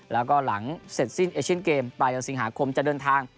แล้วก็หลังเสร็จสิ้นเอเชียนเกมปลายเดือนสิงหาคมจะเดินทาง